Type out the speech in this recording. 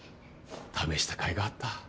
試した甲斐があった。